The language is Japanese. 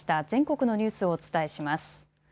全国のニュースをお伝えします。